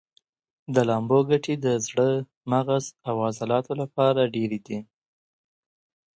د لامبو ګټې د زړه، مغز او عضلاتو لپاره ډېرې دي.